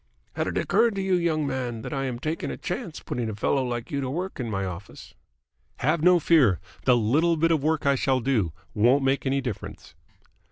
"Had it occurred to you, young man, that I am taking a chance putting a fellow like you to work in my office?" "Have no fear. The little bit of work I shall do won't make any difference."